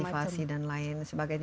motivasi dan lain sebagainya